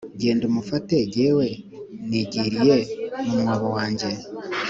genda umufate, jyewe nigiriye mu mwobo wanjye